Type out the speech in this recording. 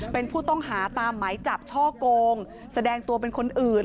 เป็นผู้ต้องหาตามไหมจับช่อกงแสดงตัวเป็นคนอื่น